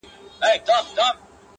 ه چیري یې د کومو غرونو باد دي وهي~